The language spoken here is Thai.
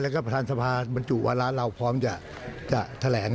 แล้วก็ประธานสภาบรรจุวาระเราพร้อมจะแถลง